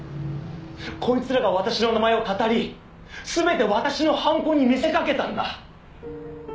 「こいつらが私の名前を騙り全て私の犯行に見せかけたんだ！」